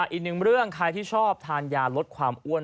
อีกหนึ่งเรื่องใครที่ชอบทานยาลดความอ้วน